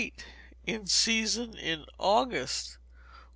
] 38. In Season in August.